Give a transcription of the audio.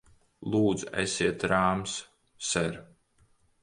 Lūdzu, esiet rāms, ser!